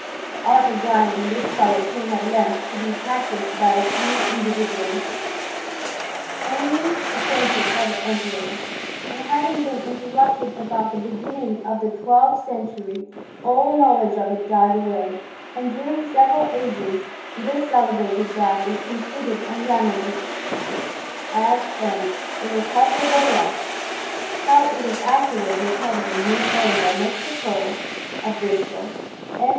The art of dyeing this colour came at length to be practised by a few in dividuals only, appointed by the emperors, and having been interrupted about the beginning of the twelfth century all knowledge of it died away, and during several ages this celebrated dye was considered and lamented as an irrecoverable loss.| How it was afterwards recovered and made known by Mr. Cole, of Bristol, M.